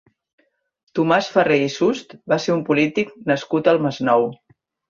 Tomàs Ferrer i Sust va ser un polític nascut al Masnou.